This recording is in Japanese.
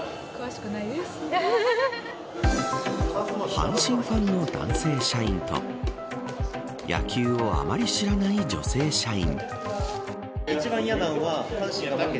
阪神ファンの男性社員と野球をあまり知らない女性社員。